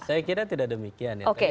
saya kira tidak demikian ya